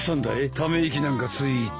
ため息なんかついて。